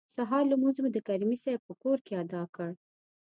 د سهار لمونځ مو د کریمي صیب په کور کې ادا کړ.